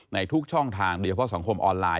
ในทุกช่องทางโดยเฉพาะสังคมออนไลน